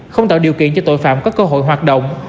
không tạo điều kiện cho tội phạm có cơ hội hoạt động